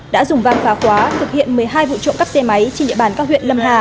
đã dùng văn phá khóa thực hiện một mươi hai vụ trộm cắp xe máy trên địa bàn các huyện lâm hà